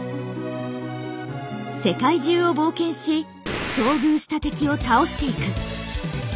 世界中を冒険し遭遇した敵を倒していく。